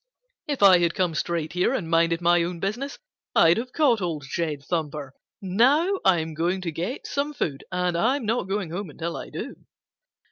"If I had come straight here and minded my own business, I'd have caught old Jed Thumper. Now I'm going to get some food and I'm not going home until I do."